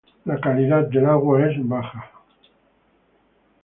La calidad de las aguas es baja.